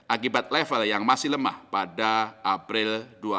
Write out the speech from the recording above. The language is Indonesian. akibat level yang masih lemah pada april dua ribu dua puluh